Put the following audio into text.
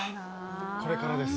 これからです。